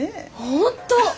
本当。